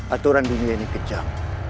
aturan dunia ini kejam